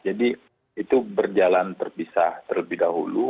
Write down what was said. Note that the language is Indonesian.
jadi itu berjalan terpisah terlebih dahulu